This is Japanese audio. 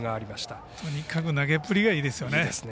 とにかく投げっぷりがいいですよね。